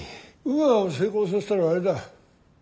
ウーアを成功させたらあれだ。